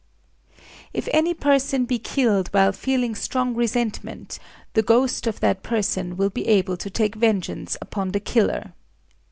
If any person be killed while feeling strong resentment, the ghost of that person will be able to take vengeance upon the killer.